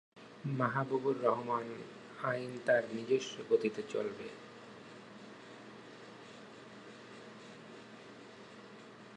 মাহবুবুর রহমানআইন তার নিজস্ব গতিতে চলবে।